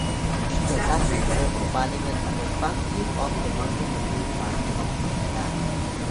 Its last Member of Parliament was Parm Gill of the Conservative Party of Canada.